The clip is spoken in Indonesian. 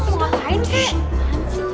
mau ngapain sih